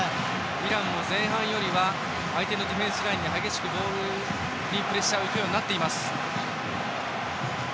イランも前半よりは相手のディフェンスラインに激しくボールにプレッシャーにいくようになっています。